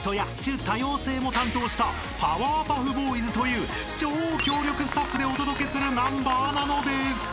［も担当したパワーパフボーイズという超強力スタッフでお届けするナンバーなのです！］